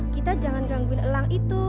kita jangan gangguin elang itu